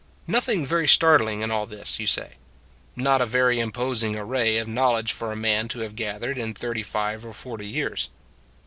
Nothing very startling in all this, you say; not a very imposing array of knowl edge for a man to have gathered in thirty five or forty years.